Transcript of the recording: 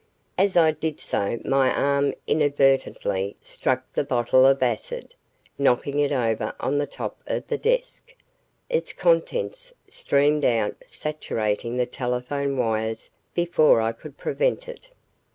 As I did so my arm inadvertently struck the bottle of acid, knocking it over on the top of the desk. Its contents streamed out saturating the telephone wires before I could prevent it.